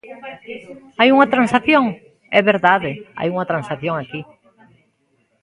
¿Hai unha transacción? É verdade, hai unha transacción aquí.